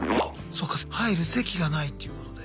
そっか入る籍がないっていうことで。